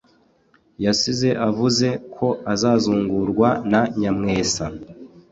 yasize avuze ko azazungurwa na Nyamwesa.